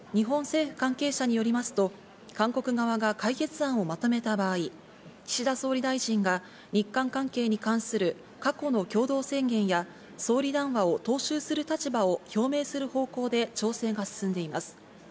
一方、日本政府関係者によりますと、韓国側が解決案をまとめた場合、岸田総理大臣が日韓関係に関する過去の共同宣言や総理談話を踏襲する立場を表明する方向で調整が進んでいます。